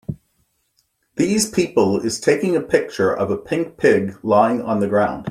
Theses people is taking a picture of a pink pig lying on the ground.